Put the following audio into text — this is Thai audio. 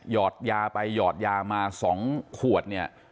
ยอดยาไปยอดยามา๒ขวด